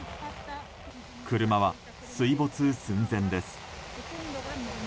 車は水没寸前です。